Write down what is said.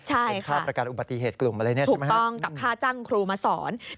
ใช่ค่ะถูกต้องกับค่าจังครูมาสอนเป็นค่าประกันอุบัติเหตุกลุ่มอะไรนี่ใช่ไหม